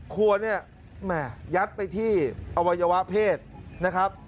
ครัวเนี่ยแม่ยัดไปที่อวัยวะเพศนะครับ